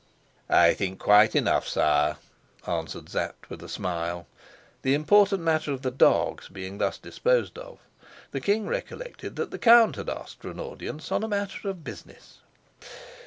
"I think quite enough, sire," answered Sapt with a smile. The important matter of the dogs being thus disposed of, the king recollected that the count had asked for an audience on a matter of business.